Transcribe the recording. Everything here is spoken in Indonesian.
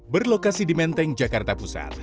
berlokasi di menteng jakarta pusat